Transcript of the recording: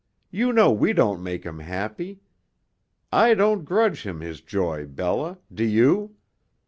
You know we don't make him happy. I don't grudge him his joy, Bella, do you?